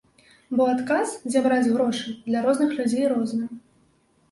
Бо адказ, дзе браць грошы, для розных людзей розны.